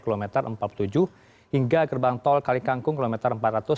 kilometer empat puluh tujuh hingga gerbang tol kalikangkung kilometer empat ratus lima puluh